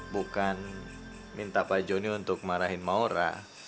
bukan minta pak joni untuk marahin maura